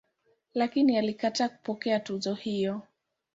Lakini alikataa kupokea tuzo hiyo.